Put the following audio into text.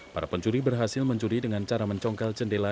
para pencuri berhasil mencuri dengan cara mencongkel jendela